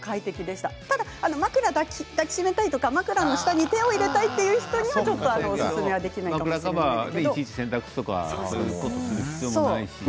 ただ枕を抱きしめたいとか枕の下に手を入れたいという方にはおすすめできないですけれども。